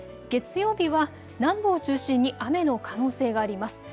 月曜日は南部を中心に雨の可能性があります。